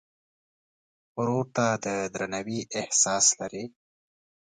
ورور ته د درناوي احساس لرې.